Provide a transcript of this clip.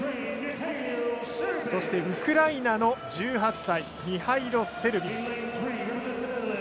そして、ウクライナの１８歳ミハエロ・セルビン。